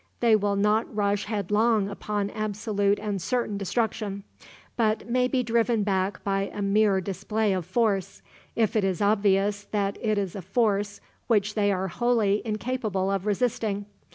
They will not rush headlong upon absolute and certain destruction, but may be driven back by a mere display of force, if it is obvious that it is a force which they are wholly incapable of resisting.